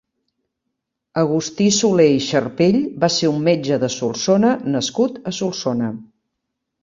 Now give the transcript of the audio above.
Agustí Solé i Xarpell va ser un metge de Solsona nascut a Solsona.